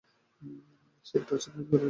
সে একটা অচেনা বাড়ির অচেনা বারান্দায় বসে আছে।